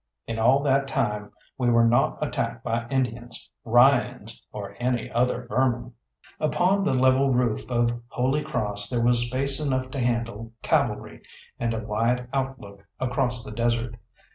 In all that time we were not attacked by Indians, Ryans, or any other vermin. Upon the level roof of Holy Cross there was space enough to handle cavalry, and a wide outlook across the desert.